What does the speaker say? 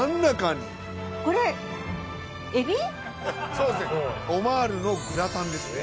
そうですねオマールのグラタンですね。